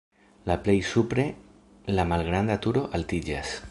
La plej supre la malgranda turo altiĝas.